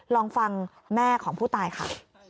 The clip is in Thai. ลองฟังแม่ของผู้ตายค่ะ